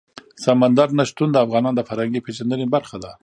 سمندر نه شتون د افغانانو د فرهنګي پیژندنې برخه ده.